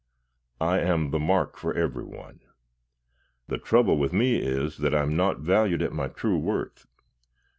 I am the mark for everyone. The trouble with me is that I am not valued at my true worth.